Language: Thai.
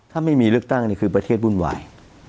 ถ้าไม่มีเลือกตั้งนี่คือประเทศวุ่นวาย